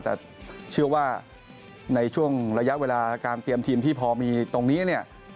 แต่เชื่อว่าในช่วงระยะเวลาการเตรียมทีมที่พอมีตรงนี้เนี่ย